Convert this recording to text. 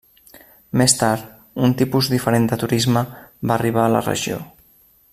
Més tard, un tipus diferent de turisme va arribar a la regió.